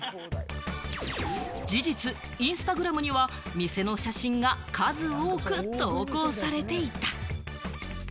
事実、インスタグラムには店の写真が数多く投稿されていた。